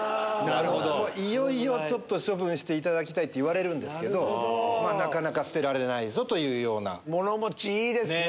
いよいよ処分していただきたい！って言われるんですけどなかなか捨てられないぞ！というような。